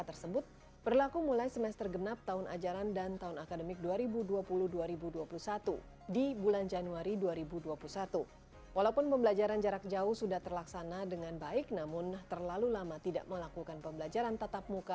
katakan bahwa sekolah tempat putra putrinya sudah menunjukkan syarat dan bisa melakukan pembelajaran tetap muka